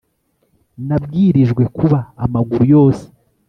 nabwirijwe kuba amaguru yose